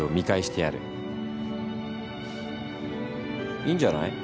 いいんじゃない？